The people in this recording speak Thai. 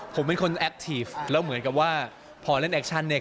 ผมเป็นคนแอคทีฟแล้วเหมือนกับว่าพอเล่นแอคชั่นเนี่ย